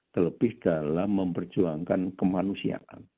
terlebih dalam memperjuangkan kemanusiaan